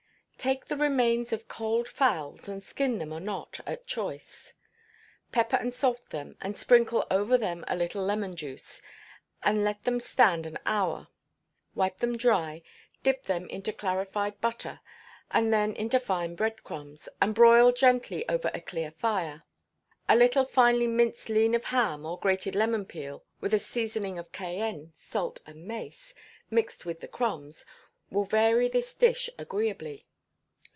Take the remains of cold fowls, and skin them or not, at choice; pepper and salt them, and sprinkle over them a little lemon juice, and let them stand an hour; wipe them dry, dip them into clarified butter, and then into fine bread crumbs, and broil gently over a clear fire. A little finely minced lean of ham or grated lemon peel, with a seasoning of cayenne, salt, and mace, mixed with the crumbs, will vary this dish agreeably.